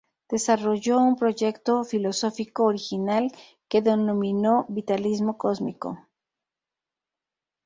Desarrollo un proyecto filosófico original que denomino Vitalismo Cósmico.